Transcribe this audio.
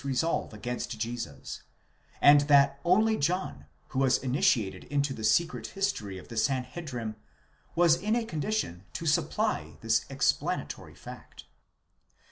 resolve against Jesus, and that only John, who was initiated into the secret history of the Sanhedrim, was in a condition to supply this explanatory fact.